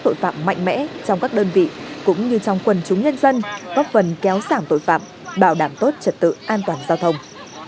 tội phạm mạnh mẽ trong các đơn vị cũng như trong quần chúng nhân dân góp phần kéo giảm tội phạm bảo đảm tốt trật tự an toàn giao thông